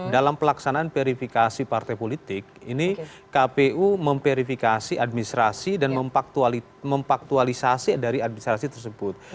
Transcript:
dalam pelaksanaan verifikasi partai politik ini kpu memverifikasi administrasi dan memfaktualisasi dari administrasi tersebut